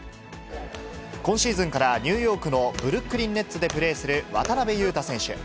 今シーズンからニューヨークのブルックリン・ネッツでプレーする渡邊雄太選手。